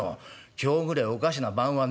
今日ぐれえおかしな晩はねんだい。